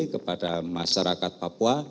kepada masyarakat papua